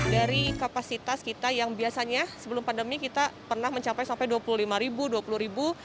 dari kapasitas kita yang biasanya sebelum pandemi kita pernah mencapai sampai dua puluh lima ribu dua puluh ribu